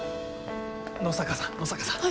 野坂さん野坂さん。